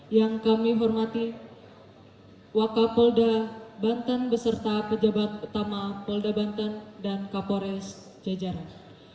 yang kami hormati wakapolda banten beserta pejabat utama polda banten dan kapolres jajaran